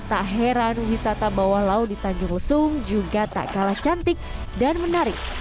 tak heran wisata bawah laut di tanjung lesung juga tak kalah cantik dan menarik